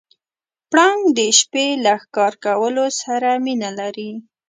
پړانګ د شپې له ښکار کولو سره مینه لري.